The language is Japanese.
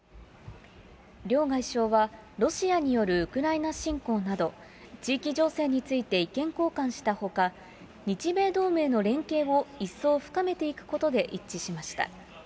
両外相は、ロシアによるウクライナ侵攻など、地域情勢について意見交換したほか、日米同盟の連携を一層深めていくことで一致しました。